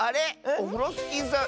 オフロスキーさん